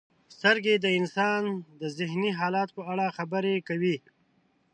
• سترګې د انسان د ذهني حالت په اړه خبرې کوي.